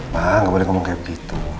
ma gak boleh ngomong kayak begitu